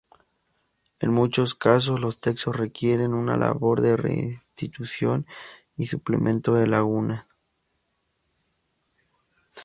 En muchos casos los textos requieren una labor de restitución y suplemento de lagunas.